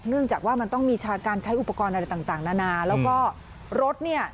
เนื่องจากว่ามันต้องมีการใช้อุปกรณ์อะไรต่างนานาแล้วก็รถเนี่ย